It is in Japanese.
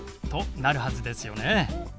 となるはずですよね。